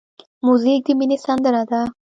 موزیک د مینې سندره ده.